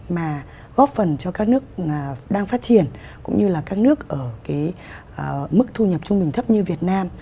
mà góp phần cho các nước đang phát triển cũng như là các nước ở cái mức thu nhập trung bình thấp như việt nam